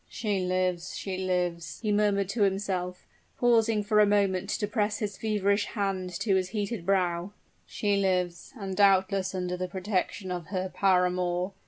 "She lives! she lives!" he murmured to himself, pausing for a moment to press his feverish hand to his heated brow; "she lives! and doubtless under the protection of her paramour!